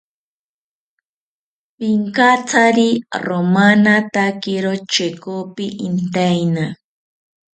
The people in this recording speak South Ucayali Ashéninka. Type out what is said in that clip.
Pinkatsari romanatakiro chekopi intaeni